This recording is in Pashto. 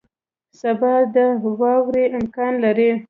سبا د واورې امکان دی